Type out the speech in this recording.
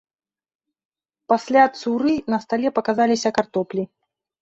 Пасля цуры на стале паказаліся картоплі.